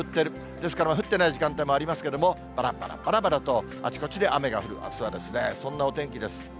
ですから、降ってない時間帯もありますけれども、ぱらぱらぱらぱらとあちこちで雨が降る、あすはですね、そんなお天気です。